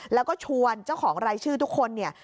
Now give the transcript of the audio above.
แล้วก็ชวนเจ้าของรายชื่อทุกคนเนี่ย